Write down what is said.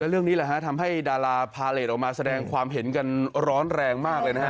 เรื่องนี้แหละฮะทำให้ดาราพาเลสออกมาแสดงความเห็นกันร้อนแรงมากเลยนะฮะ